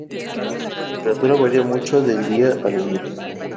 La temperatura varía mucho del día a la noche.